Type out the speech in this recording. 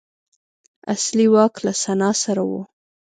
اصلي واک له سنا سره و